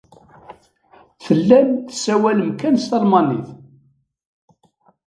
Tellam tessawalem kan s talmanit.